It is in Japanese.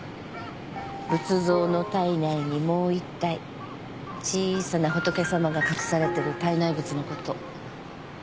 仏像の胎内にもう１体小さな仏様が隠されてる胎内仏のこと。